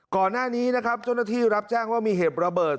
ก่อนหน้านี้นะครับเจ้าหน้าที่รับแจ้งว่ามีเหตุระเบิด